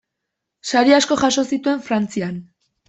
Sari asko jaso zituen Frantzian.